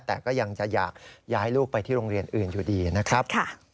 แต่ก็ยังจะอยากย้ายลูกไปที่โรงเรียนอื่นอยู่ดีนะครับ